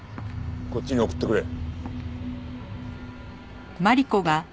こっちに送ってくれ。